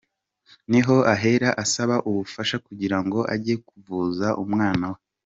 Niho ahera asaba ubufasha kugira ngo ajye kuvuza umwana we.